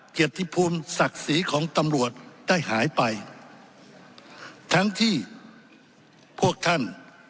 เกียรติภูมิศักดิ์ศรีของตำรวจได้หายไปทั้งที่พวกท่าน